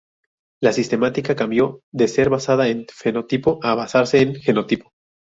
La sistemática cambió de ser basada en fenotipo a basarse en genotipo.